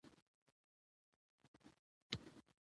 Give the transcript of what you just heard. باسواده ښځې د انرژۍ په سپمولو کې رول لري.